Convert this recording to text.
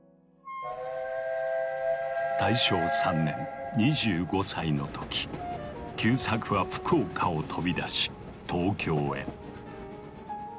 大正３年２５歳の時久作は福岡を飛び出し東京へ。